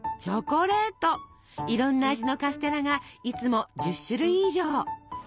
いろんな味のカステラがいつも１０種類以上。